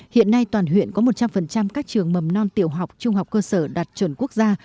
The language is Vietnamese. hiện nay toàn huyện có một trăm linh các trường mầm non tiểu học trung học cơ sở đạt chuẩn quốc gia